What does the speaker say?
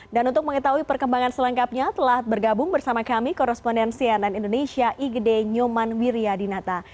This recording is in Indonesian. dan untuk mengetahui perkembangan selengkapnya telah bergabung bersama kami korrespondensi anan indonesia igd nyoman wiryadinata